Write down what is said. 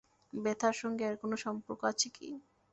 ব্যথার সঙ্গে এর কোন সম্পর্ক আছে কি?